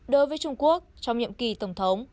đối với trung quốc trong nhiệm kỳ tổng thống